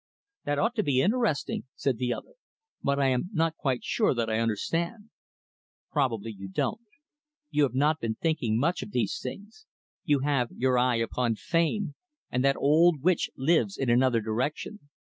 "That ought to be interesting," said the other, "but I am not quite sure that I understand." "Probably you don't. You have not been thinking much of these things. You have your eye upon Fame, and that old witch lives in another direction.